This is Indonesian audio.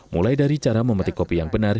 mulai dari cara memetik kopi yang benar